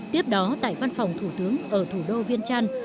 tiếp đó tại văn phòng thủ tướng ở thủ đô viên trăn